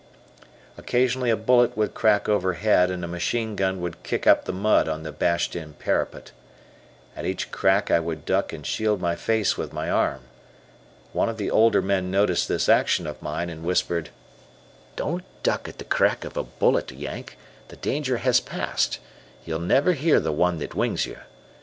Occasionally a bullet would crack overhead, and a machine gun would kick up the mud on the bashed in parapet. At each crack I would duck and shield my face with my arm. One of the older men noticed this action of mine, and whispered: "Don't duck at the crack of a bullet, Yank; the danger has passed, you never hear the one that wings you.